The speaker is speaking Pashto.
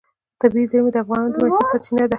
طبیعي زیرمې د افغانانو د معیشت سرچینه ده.